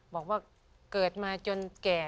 บอกว่าเกิดมาจนแก่